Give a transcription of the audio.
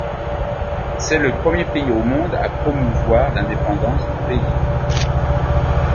C'est le premier pays au monde à promouvoir l'indépendance du pays.